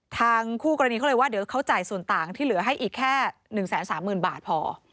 ทางคู่กรณีเขาเลยว่าเดี๋ยวเขาจ่ายส่วนต่างที่เหลือให้อีกแค่๑๓๐๐๐บาทพอ